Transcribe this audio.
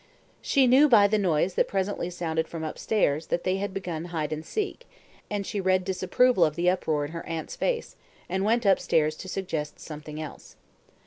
She knew by the noise that presently sounded from upstairs that they had begun "hide and seek," and she read disapproval of the uproar in her aunt's face, and went upstairs to suggest something else.